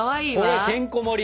これてんこ盛り。